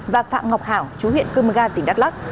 và phạm ngọc hảo chú huyện cơ mơ ga tỉnh đắk lắc